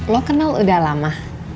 lo kenal udah lama